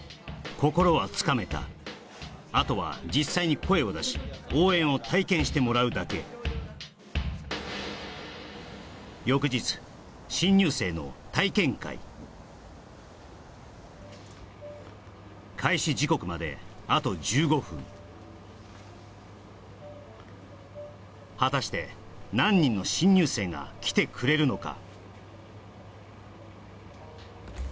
心はつかめたあとは実際に声を出し応援を体験してもらうだけ翌日新入生の体験会果たして何人の新入生が来てくれるのか？